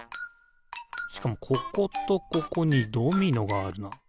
しかもこことここにドミノがあるな。